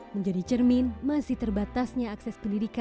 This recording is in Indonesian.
menjadi cermin masih terbatasnya akses pendidikan